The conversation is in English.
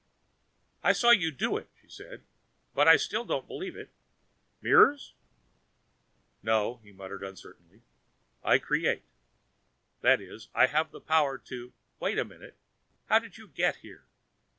"I saw you do it," she said, "but I still don't believe it. Mirrors?" "No," he muttered uncertainly. "I create. That is, I have the power to wait a minute! How did you get here?"